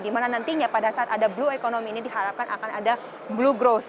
dimana nantinya pada saat ada blue economy ini diharapkan akan ada blue growth